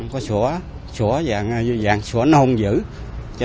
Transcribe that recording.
của cơ quan điều tra